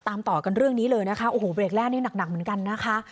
ต่อกันเรื่องนี้เลยนะคะโอ้โหเบรกแรกนี่หนักเหมือนกันนะคะ